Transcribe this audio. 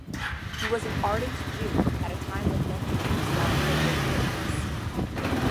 He was an ardent Jew at a time when many Jews downplayed their Jewishness.